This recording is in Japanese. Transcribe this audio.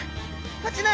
こちら。